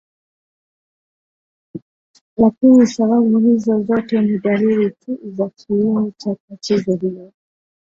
Lakini sababu hizo zote ni dalili tu za kiini cha tatizo hilo